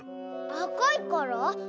あかいから？